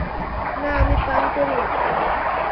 না আমি পান করি না।